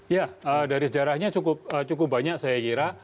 ya dari sejarahnya cukup banyak saya kira